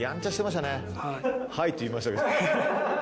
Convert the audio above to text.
はいって言いましたけど。